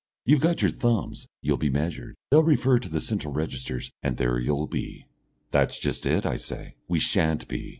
"You've got your thumbs. You'll be measured. They'll refer to the central registers, and there you'll be!" "That's just it," I say, "we sha'n't be."